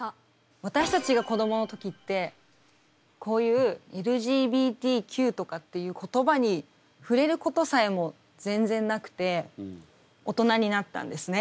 私たちが子どもの時ってこういうＬＧＢＴＱとかっていう言葉に触れることさえも全然なくて大人になったんですね。